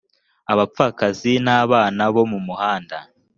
abapfakazi n abana bo mu muhanda